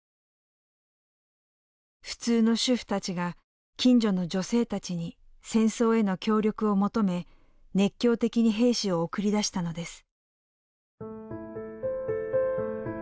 普通の主婦たちが近所の女性たちに戦争への協力を求め熱狂的に兵士を送り出したのです。